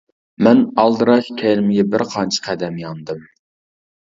مەن ئالدىراش كەينىمگە بىرقانچە قەدەم ياندىم.